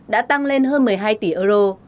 đã tăng lên hơn một mươi hai tỷ euro